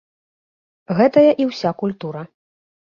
Гэтая і ўся культура.